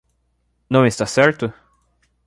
Não está certo?